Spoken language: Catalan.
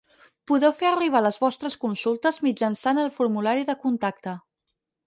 Podeu fer arribar les vostres consultes mitjançant el formulari de contacte.